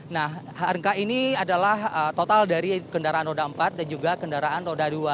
nah harga ini adalah total dari kendaraan roda empat dan juga kendaraan roda dua